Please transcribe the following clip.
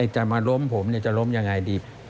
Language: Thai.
จะมาล้มผมจะล้มยังไงดี